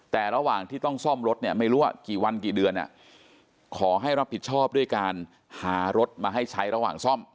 แต่ระหว่างที่ต้องซ่อมรถเนี่ยไม่รู้ว่ากี่วันกี่เดือนขอให้รับผิดชอบด้วยการหารถมาให้ใช้ระหว่างซ่อม